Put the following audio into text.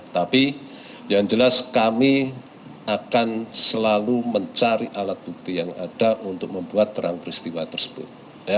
tapi yang jelas kami akan selalu mencari alat bukti yang ada untuk membuat terang peristiwa tersebut